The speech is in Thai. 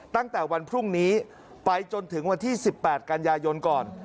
ตั้งแต่วันพรุ่งนี้ไปจนถึงวันที่๑๘กันยายนก่อน